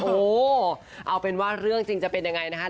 โอ้โหเอาเป็นว่าเรื่องจริงจะเป็นยังไงนะคะ